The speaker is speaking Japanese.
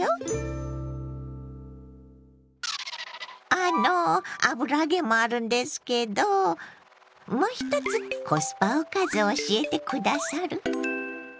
あの油揚げもあるんですけどもう一つコスパおかず教えて下さる？